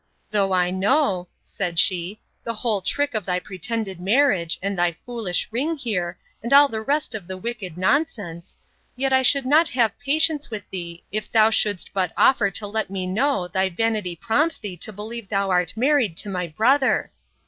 Though I know, said she, the whole trick of thy pretended marriage, and thy foolish ring here, and all the rest of the wicked nonsense, yet I should not have patience with thee, if thou shouldst but offer to let me know thy vanity prompts thee to believe thou art married to my brother!